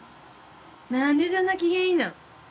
何でそんな機嫌いいの？